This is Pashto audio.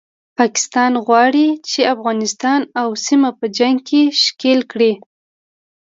پاکستان غواړي چې افغانستان او سیمه په جنګ کې ښکیل کړي